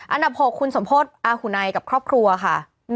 อันดับ๖คุณสมโพธิอาหุนัยกับครอบครัวค่ะ